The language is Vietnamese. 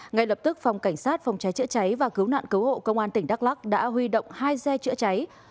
ngay lập tức phòng cảnh sát phòng cháy chữa cháy và cứu nạn cứu hộ công an tỉnh đắk lắc đã huy động hai xe chữa cháy